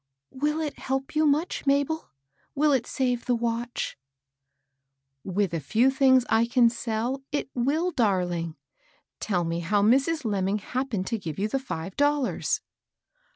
" Will it help you much, Mabel ? Will it save the watch ?"With a few things I can sell, it wiU, darling. Tell me how Mrs. Lemming happened to give you the five dollars."